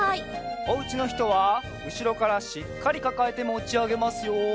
おうちのひとはうしろからしっかりかかえてもちあげますよ。